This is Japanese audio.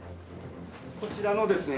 こちらのですね